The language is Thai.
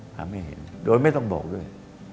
ทำให้เห็นโดยไม่ต้องบอกด้วย